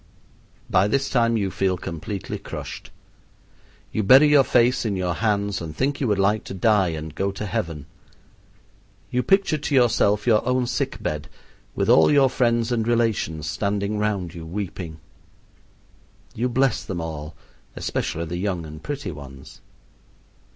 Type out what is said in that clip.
By this time you feel completely crushed. You bury your face in your hands and think you would like to die and go to heaven. You picture to yourself your own sick bed, with all your friends and relations standing round you weeping. You bless them all, especially the young and pretty ones.